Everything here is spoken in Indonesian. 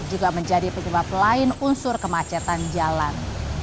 juga menjadi penyebab lain unsur kemacetan jalan